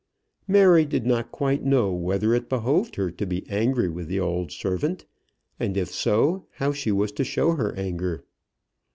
Mary did not quite know whether it behoved her to be angry with the old servant, and if so, how she was to show her anger.